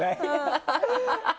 ハハハハ！